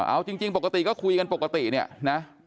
เอาจริงปกติก็คุยกันปกติเนี่ยนะ